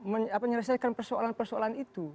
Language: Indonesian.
menyelesaikan persoalan persoalan itu